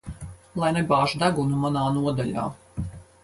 Lai nebāž degunu manā nodaļā.